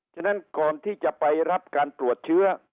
ฉะนั้นก่อนที่จะไปรับการตรวจเชื้อ